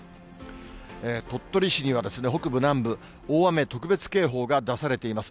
鳥取市には北部、南部、大雨特別警報が出されています。